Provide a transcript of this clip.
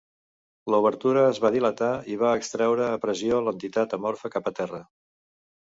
L'obertura es va dilatar i va extraure a pressió l'entitat amorfa cap a terra.